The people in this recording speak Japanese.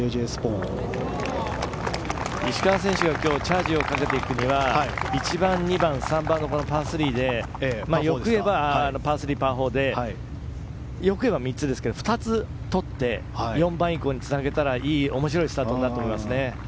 石川選手が今日チャージをかけていくには１番、２番、３番のパー３で、欲を言えばパー３、パー４で欲を言えば３つ２つとって４番以降につなげたら面白いスタートになると思いますね。